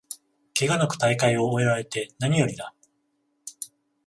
ケガなく大会を終えられてなによりだ